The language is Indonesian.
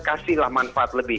kasihlah manfaat lebih